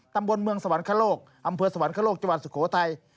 ตำบลเมืองสวรรคโลกอำเภอสวรรคโลกจังหวัดสุโขทัย